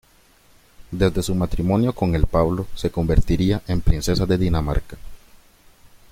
Desde su matrimonio con el Pablo se convertiría en princesa de Dinamarca.